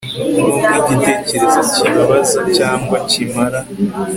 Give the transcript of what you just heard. nubwo igitekerezo kibabaza cyangwa kimara